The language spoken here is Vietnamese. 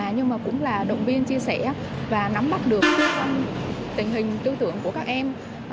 nhưng mà cũng là động viên chia sẻ và nắm bắt được tình hình tư tưởng của các em